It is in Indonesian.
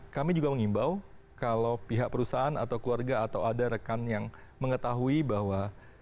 kami juga mengimbau kalau pihak perusahaan atau keluarga atau ada rekan yang mengetahui bahwa